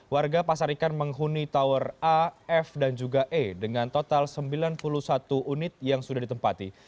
warga pasar ikan menghuni tower a f dan juga e dengan total sembilan puluh satu unit yang sudah ditempati